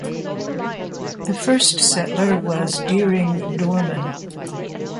The first settler was Dearing Dorman.